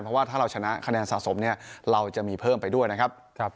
เพราะว่าถ้าเราชนะคะแนนสะสมเนี่ยเราจะมีเพิ่มไปด้วยนะครับ